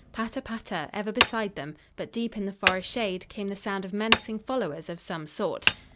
"Patter, patter," ever beside them, but deep in the forest shade, came the sound of menacing followers of some sort.